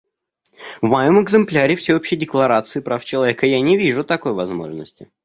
В моем экземпляре Всеобщей декларации прав человека я не вижу такой возможности.